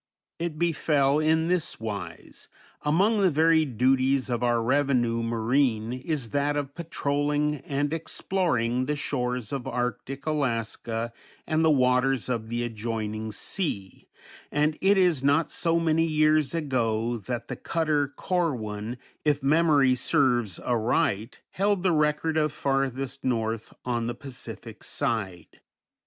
It befell in this wise: Among the varied duties of our revenue marine is that of patrolling and exploring the shores of arctic Alaska and the waters of the adjoining sea, and it is not so many years ago that the cutter Corwin, if memory serves aright, held the record of farthest north on the Pacific side.